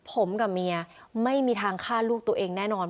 ผมกับเมียไม่มีทางฆ่าลูกตัวเองแน่นอน